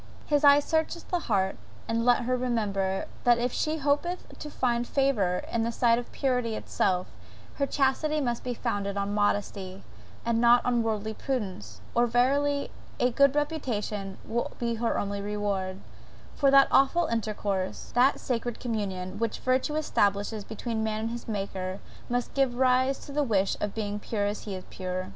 His eye searcheth the heart; and let her remember, that if she hopeth to find favour in the sight of purity itself, her chastity must be founded on modesty, and not on worldly prudence; or verily a good reputation will be her only reward; for that awful intercourse, that sacred communion, which virtue establishes between man and his Maker, must give rise to the wish of being pure as he is pure!